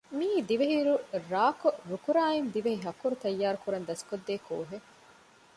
މިއީ ދިވެހި ރުއް ރާކޮށް ރުކުރާއިން ދިވެހިހަކުރު ތައްޔާރުކުރަން ދަސްކޮށްދޭ ކޯހެއް